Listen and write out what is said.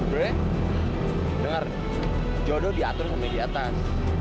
dengar jodoh diatur sama yang diatas